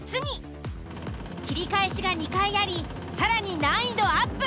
切り返しが２回あり更に難易度アップ。